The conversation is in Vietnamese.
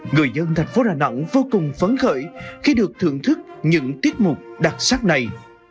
người dân thành phố đà nẵng vô cùng phấn khởi khi được thưởng thức những tiết mục đặc sắc này